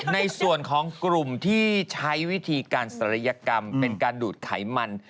ในส่วนของกลุ่มที่ใช้วิธีการศัลยกรรมเป็นการดูดไขมัน